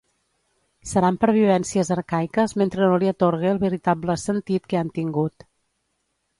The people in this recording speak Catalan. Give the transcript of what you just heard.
Seran pervivències arcaiques mentre no li atorgue el veritable sentit que han tingut.